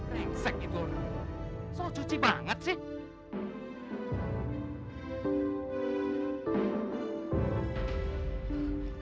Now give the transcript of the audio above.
rengsek itu orang soal cuci banget sih